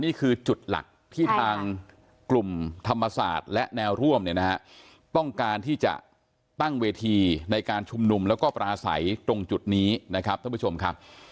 นี่คือจุดหลักที่ทางกลุ่มธรรมศาสตร์และแนวร่วมเนี่ยนะฮะต้องการที่จะตั้งเวทีในการชุมนุมแล้วก็ปราศัยตรงจุดนี้นะครับท่านผู้ชมครับ